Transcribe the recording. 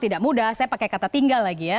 tidak mudah saya pakai kata tinggal lagi ya